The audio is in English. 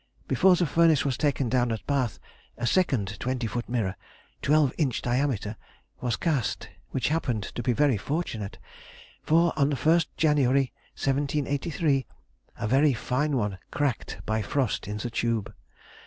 Before the furnace was taken down at Bath, a second twenty foot mirror, twelve inch diameter, was cast, which happened to be very fortunate, for on the 1st of January, 1783, a very fine one cracked by frost in the tube.